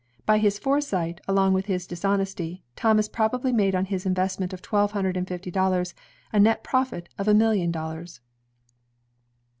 By his foresight, along with his dishonesty, Thomas probably made on his investment of twelve hundred and fifty dollars, a net profit of a million dollars.